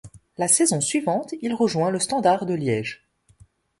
La saison suivante il rejoint le Standard de Liège.